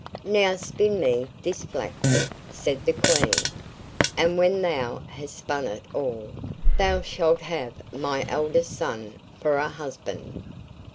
"Now spin me this flax," said the Queen, "and when thou has spun it all, thou shalt have my eldest son for a husband.